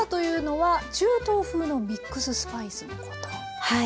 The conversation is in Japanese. はい。